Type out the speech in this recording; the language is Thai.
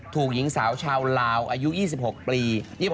หญิงสาวชาวลาวอายุ๒๖ปี